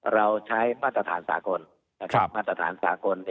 เราใช้มัตตาฐานสากล